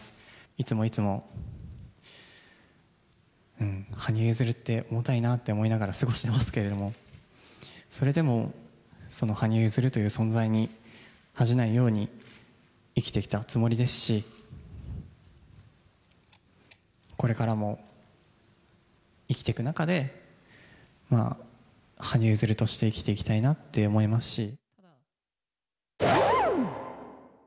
いつもいつも、羽生結弦って重たいなって思いながら過ごしてますけれども、それでもその羽生結弦という存在に恥じないように生きてきたつもりですし、これからも生きてく中で、羽生結弦として生きていきたいなって思いますし。